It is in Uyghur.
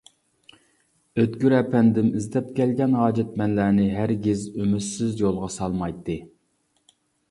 ئۆتكۈر ئەپەندىم ئىزدەپ كەلگەن ھاجەتمەنلەرنى ھەرگىز ئۈمىدسىز يولغا سالمايتتى.